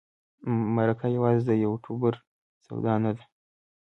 مرکه یوازې د یوټوبر سودا نه ده.